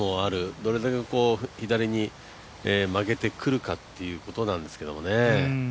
どれだけ左に曲げてくるかっていうことなんですけれどもね。